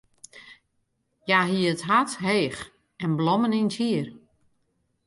Hja hie it hart heech en blommen yn it hier.